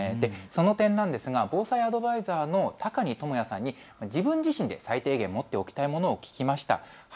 その点ですが防災アドバイザーの高荷智也さんによると自分自身で最低限を持っておきたいものを聞きました。